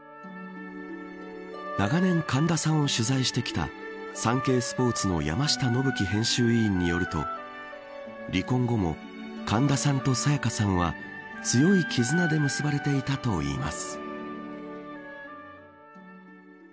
長年、神田さんを取材してきたサンケイスポーツの山下伸基編集委員によると離婚後も神田さんと沙也加さんは強い絆で結ばれていたといいます。